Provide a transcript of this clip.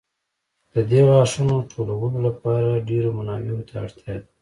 د دې غاښونو ټولولو لپاره ډېرو منابعو ته اړتیا ده.